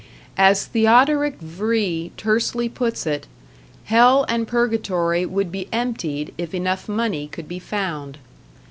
As Theodoric Vrie tersely puts it, hell and purgatory would be emptied if enough money could be found.